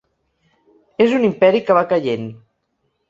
És un imperi que va caient.